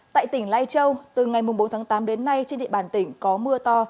tại tỉnh lai châu từ ngày bốn tháng tám đến nay trên địa bàn tỉnh có mưa to